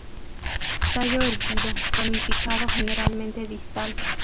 Tallo erguido, ramificado generalmente distal.